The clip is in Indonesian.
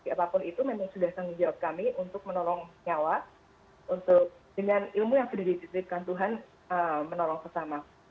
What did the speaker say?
apapun itu memang sudah tanggung jawab kami untuk menolong nyawa untuk dengan ilmu yang sudah dititipkan tuhan menolong sesama